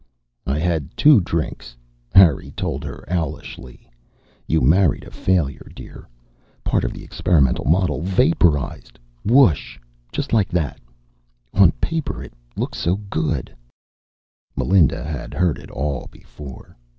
"I had two drinks," Harry told her owlishly. "You married a failure, dear. Part of the experimental model vaporized, wooosh, just like that. On paper it looked so good " Melinda had heard it all before.